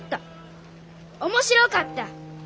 面白かった。